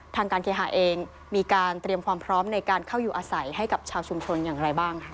ทางการเคหาเองมีการเตรียมความพร้อมในการเข้าอยู่อาศัยให้กับชาวชุมชนอย่างไรบ้าง